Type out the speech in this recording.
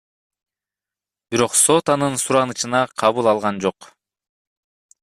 Бирок сот анын суранычына кабыл алган жок.